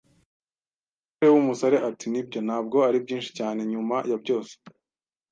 Umusore w'umusare ati: "Nibyo, ntabwo ari byinshi cyane, nyuma ya byose."